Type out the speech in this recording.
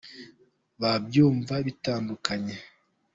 babyumva bitandukanye.